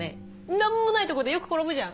何もないとこでよく転ぶじゃん。